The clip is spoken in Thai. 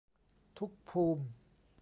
ทุกภูมิ